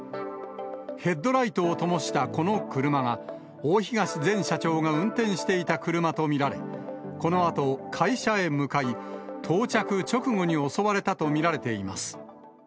ヘッドライトをともしたこの車が、大東前社長が運転していた車と見られ、このあと会社へ向かい、到着直後に襲われたと見られています。